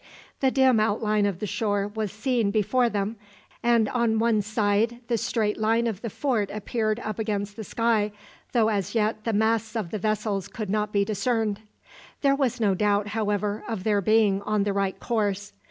The dim outline of the shore was seen before them, and on one side the straight line of the fort appeared up against the sky, though as yet the masts of the vessels could not be discerned. There was no doubt, however, of their being on the right course.